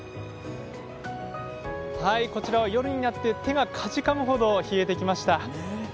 こちらは、夜になって手が、かじかむほど冷えてきました。